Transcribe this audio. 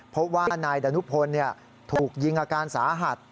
พบว่านายดานุพลถูกยิงอาการสาหัส